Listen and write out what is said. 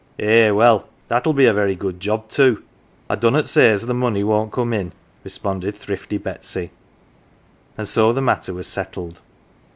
"Eh, well, that'll be a very good job too. I dunnot say as the money won't come in," responded thrifty Betsy. And so the matter was settled.